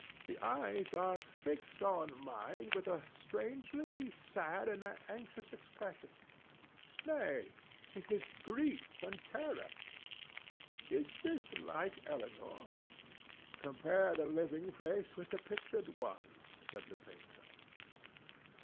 The eyes are fixed on mine with a strangely sad and anxious expression. Nay, it is grief and terror. Is this like Elinor?" "Compare the living face with the pictured one," said the painter.